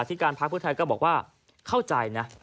ที่การพักเพื่อไทยก็บอกว่าเข้าใจนะ